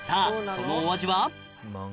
そのお味は？